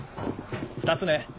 ２つね。